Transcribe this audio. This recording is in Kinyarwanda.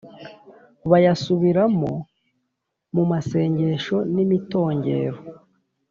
bayasubiramo mu masengesho n’imitongero